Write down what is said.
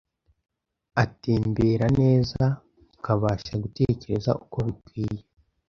atembera neza ukabasha gutekereza uko bikwiye